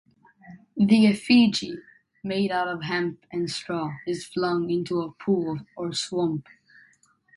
The effigy, made of hemp and straw, is flung into a pool or swamp.